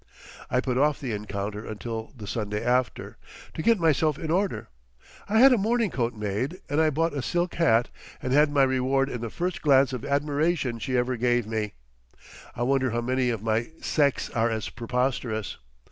I put off the encounter until the Sunday after, to get myself in order. I had a morning coat made and I bought a silk hat, and had my reward in the first glance of admiration she ever gave me. I wonder how many of my sex are as preposterous.